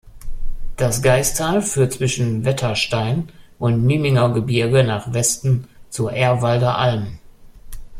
Das Gaistal führt zwischen Wetterstein und Mieminger Gebirge nach Westen zur Ehrwalder Alm.